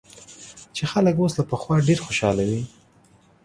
چې خلک اوس له پخوا ډېر خوشاله وي